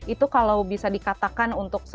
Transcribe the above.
itu kalau bisa dikatakan untuk